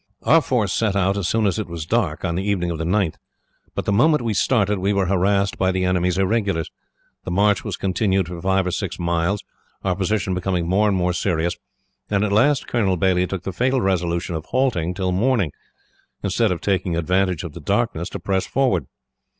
"Our force set out as soon as it was dark, on the evening of the 9th; but the moment we started, we were harassed by the enemy's irregulars. The march was continued for five or six miles, our position becoming more and more serious, and at last Colonel Baillie took the fatal resolution of halting till morning, instead of taking advantage of the darkness to press forward.